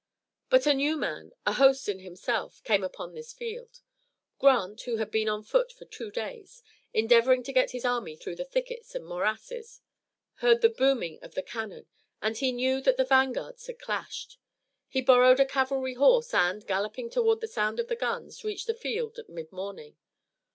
But a new man, a host in himself, came upon the field. Grant, who had been on foot for two days, endeavoring to get his army through the thickets and morasses, heard the booming of the cannon and he knew that the vanguards had clashed. He borrowed a cavalry horse and, galloping toward the sound of the guns, reached the field at mid morning.